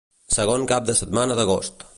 Segon cap de setmana d'agost.